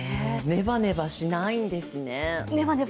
ネバネバしないんですね。